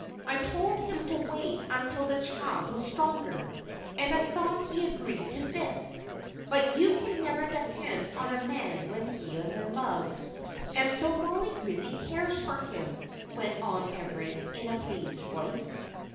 "I told him to wait until the child was stronger, and I thought he agreed to this; but you can never depend on a man when he is in love. And so Mollie really cares for him," went on Everard, in a pleased voice.